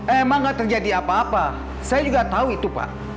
emang gak terjadi apa apa saya juga tahu itu pak